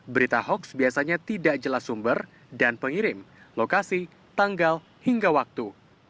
berita hoax biasanya tidak jelas sumber dan pengirim lokasi tanggal hingga waktu